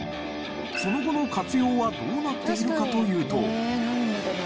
その後の活用はどうなっているかというと。